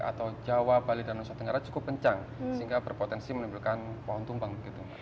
atau jawa bali dan nusa tenggara cukup kencang sehingga berpotensi menimbulkan pohon tumbang begitu